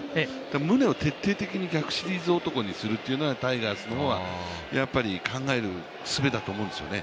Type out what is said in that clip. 宗を徹底的に逆シリーズ男にするっていうのは、タイガースの方はやっぱり考えるすべだと思うんですよね。